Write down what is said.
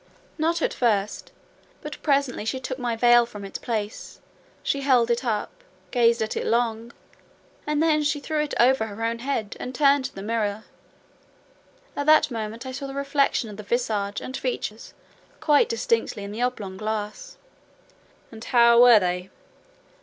"Not at first. But presently she took my veil from its place; she held it up, gazed at it long, and then she threw it over her own head, and turned to the mirror. At that moment I saw the reflection of the visage and features quite distinctly in the dark oblong glass." "And how were they?"